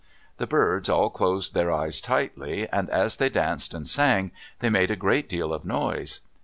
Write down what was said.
The birds all closed their eyes tightly, and as they danced and sang, they made a great deal of noise.